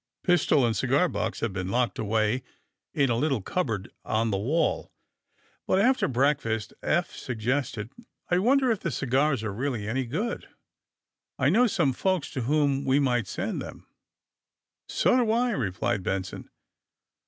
Pistol and cigar box had been locked away in a little cup board on the wall. But after breakfast Eph suggested: '^I wonder if the cigars are really any good! I know some folks to whom we might send them.. '' ^'So do I," replied Benson.